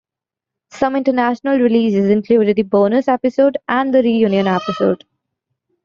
Some international releases included the bonus episode and the reunion episode.